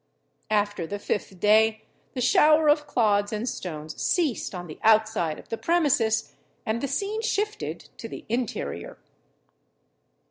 After the fifth day, the shower of clods and stones ceased on the outside of the premises, and the scene shifted to the interior.